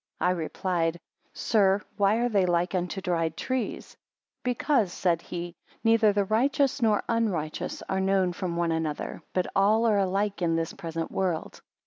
I replied: Sir, why are they like unto dried trees? Because, said he, neither the righteous, nor unrighteous, are known from one another; but all are alike in this present world.